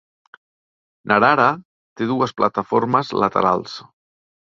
Narara té dues plataformes laterals.